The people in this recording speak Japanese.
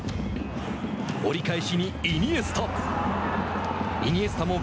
折り返しにイニエスタ。